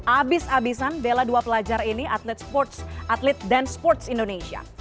abis abisan bela dua pelajar ini atlet dan sports indonesia